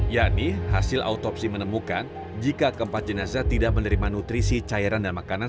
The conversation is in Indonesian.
yakni hasil autopsi menemukan jika keempat jenazah tidak menerima nutrisi cairan dan makanan